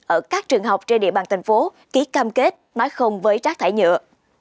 ở các trường học trên địa bàn thành phố ký cam kết nói không với rác thải nhựa